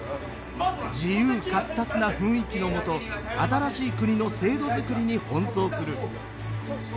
自由闊達な雰囲気のもと新しい国の制度づくりに奔走する。